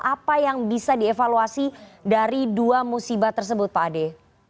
apa yang bisa dievaluasi dari dua musibah tersebut pak ade